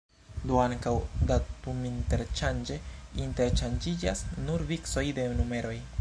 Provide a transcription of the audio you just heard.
Do ankaŭ datuminterŝanĝe interŝanĝiĝas nur vicoj de numeroj.